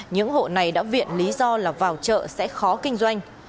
những hộ này đã viện lý do là vào chợ sẽ khó kinh doanh